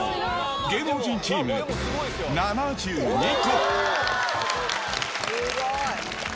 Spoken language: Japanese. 芸能人チーム７２個。